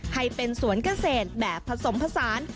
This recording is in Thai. ให้เป็นสวนเกษตรแบบผสมผสาน